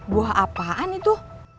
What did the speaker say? buah apaan itu